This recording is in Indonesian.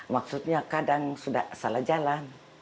maksudnya kadang sudah salah jalan